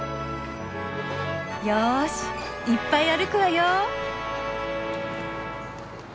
よしいっぱい歩くわよ。